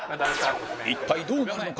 一体どうなるのか？